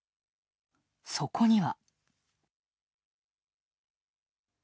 そこには。